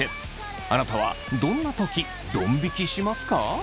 あなたはどんなときどん引きしますか？